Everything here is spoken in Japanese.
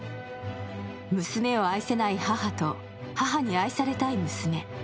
娘を愛せない母と、母に愛されたい娘。